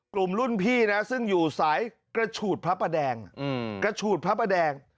กลุ่มรุ่นพี่นะซึ่งอยู่สายกระฉูดพระประแดง